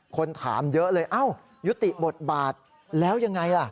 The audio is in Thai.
คนถามเยอะเลยเอ้ายุติบทบาทแล้วยังไงล่ะ